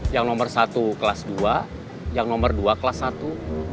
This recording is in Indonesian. yang nomor satu kelas dua yang nomor dua kelas satu